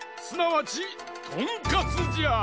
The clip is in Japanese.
すなわち「とんかつ」じゃ。